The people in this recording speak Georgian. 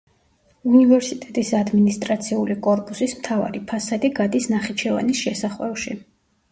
უნივერსიტეტის ადმინისტრაციული კორპუსის მთავარი ფასადი გადის ნახიჩევანის შესახვევში.